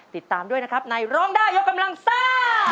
ติดตามด้วยนะครับในร้องได้ยกกำลังซ่า